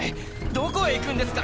どこへ行くんですか！？